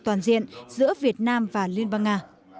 toàn diện giữa việt nam và liên bang nga